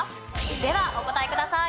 ではお答えください。